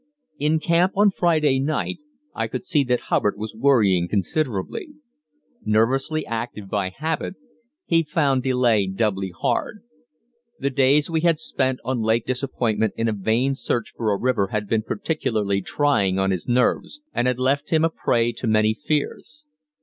In camp on Friday night I could see that Hubbard was worrying considerably. Nervously active by habit, he found delay doubly hard. The days we had spent on Lake Disappointment in a vain search for a river had been particularly trying on his nerves, and had left him a prey to many fears.